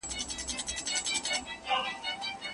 ځيني میرمني چوپ نه پاتيږي.